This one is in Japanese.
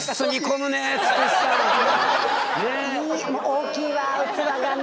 大きいわ器がな。